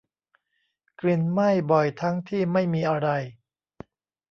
กลิ่นไหม้บ่อยทั้งที่ไม่มีอะไร